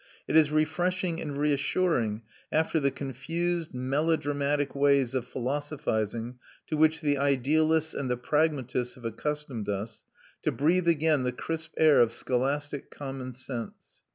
It is refreshing and reassuring, after the confused, melodramatic ways of philosophising to which the idealists and the pragmatists have accustomed us, to breathe again the crisp air of scholastic common sense.